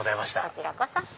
こちらこそ。